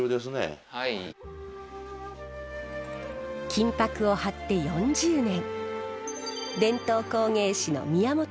金箔を貼って４０年。